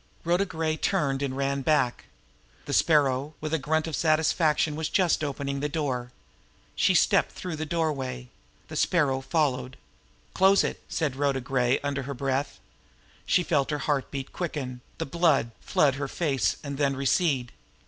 Rhoda Gray turned and ran back. The Sparrow, with a grunt of satisfaction, was just opening the door. She stepped through the doorway. The Sparrow followed. "Close it!" said Rhoda Gray, under her breath. She felt her heart beat quicken, the blood flood her face and then recede.